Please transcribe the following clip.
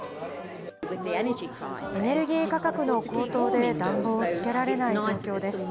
エネルギー価格の高騰で暖房をつけられない状況です。